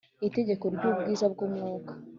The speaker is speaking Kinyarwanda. itegeko ry ubwiza bw umwuka